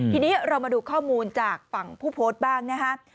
ทีนี้เรามาดูข้อมูลจากฝั่งผู้โพสต์บ้างนะครับ